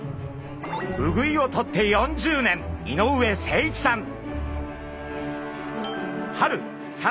ウグイをとって４０年井上誠一さん。